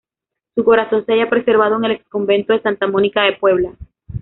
Su corazón se halla preservado en el exconvento de Santa Mónica de Puebla.